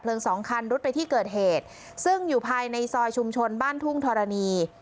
สองคันรุดไปที่เกิดเหตุซึ่งอยู่ภายในซอยชุมชนบ้านทุ่งธรณี